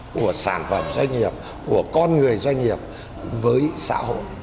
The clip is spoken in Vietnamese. của sản phẩm doanh nghiệp của con người doanh nghiệp với xã hội